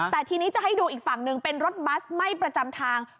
แต่ทีนี้จะให้ดูอีกฝั่งหนึ่งเป็นรถบัสไม่ประจำทาง